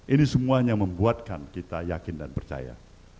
ini semuanya membuatkan kita yakin dan percaya